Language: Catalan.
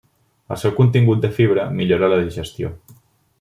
El seu contingut de fibra millora la digestió.